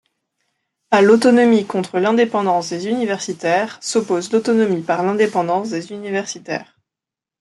À l'autonomie contre l'indépendance des universitaires s'oppose l'autonomie par l'indépendance des universitaires.